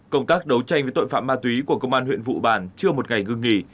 công tác đấu tranh với tội phạm ma túy của công an huyện vụ bản chưa một ngày ngưng nghỉ